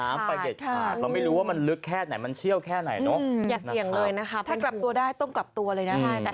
มีมุดออกเลย